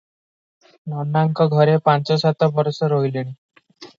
ନନାଙ୍କ ଘରେ ପାଞ୍ଚ ସାତ ବରଷ ରହିଲିଣି ।